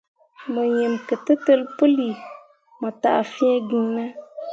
Mo yim ketǝtel puuli mo taa fĩĩ giŋ ne ?